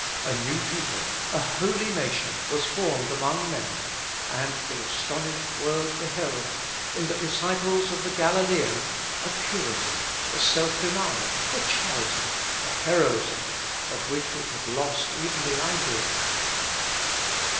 A new people, a holy nation, was formed among men, and the astonished world beheld, in the disciples of the Galilean, a purity, a self denial, a charity, a heroism, of which it had lost even the idea.